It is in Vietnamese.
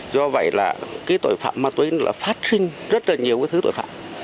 do vậy là tội phạm ma túy phát sinh rất nhiều thứ tội phạm